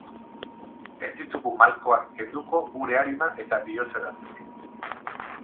Ez ditugu malkoak kenduko gure arima eta bihotzetatik.